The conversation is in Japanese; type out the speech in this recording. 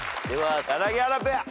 柳原ペア。